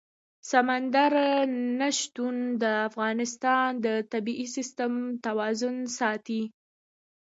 سمندر نه شتون د افغانستان د طبعي سیسټم توازن ساتي.